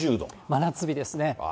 真夏日ですね。